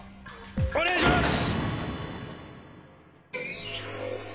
お願いします！